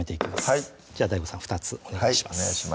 はいじゃあＤＡＩＧＯさん２つお願いします